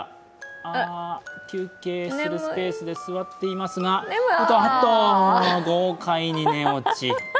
あ、休憩するスペースで座っていますがあっと、豪快に寝落ち。